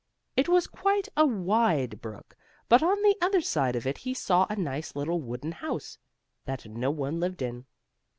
It was quite a wide brook, but on the other side of it he saw a nice little wooden house, that no one lived in.